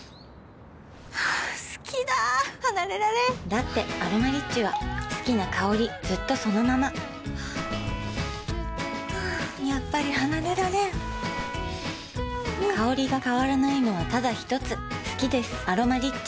好きだ離れられんだって「アロマリッチ」は好きな香りずっとそのままやっぱり離れられん香りが変わらないのはただひとつ好きです「アロマリッチ」